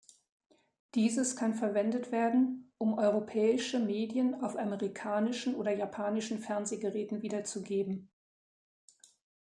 Dieses kann verwendet werden, um europäische Medien auf amerikanischen oder japanischen Fernsehgeräten wiederzugeben.